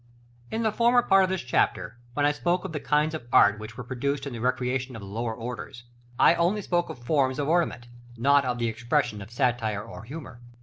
In the former part of this chapter, when I spoke of the kinds of art which were produced in the recreation of the lower orders, I only spoke of forms of ornament, not of the expression of satire or humor.